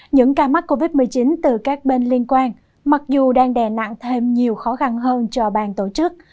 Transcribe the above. những ca mắc covid một mươi chín từ các bên liên quan mặc dù đang đè nặng thêm nhiều khó khăn hơn cho bang tổ chức